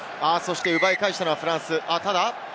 奪いかえしたのはフランス。